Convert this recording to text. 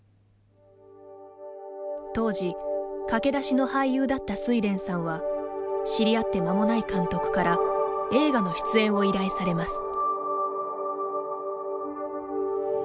当時、駆け出しの俳優だった睡蓮さんは知り合ってまもない監督から映画の出演を依頼されます。